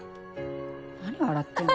何笑ってんの？